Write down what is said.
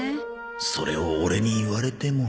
それをオレに言われても